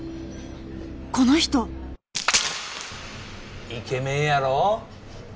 この人イケメンやろ？